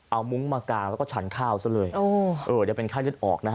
เอามุ้งมากางแล้วก็ฉันข้าวซะเลยเดี๋ยวเป็นไข้เลือดออกนะฮะ